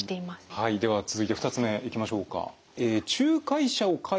はいでは続いて２つ目いきましょうか。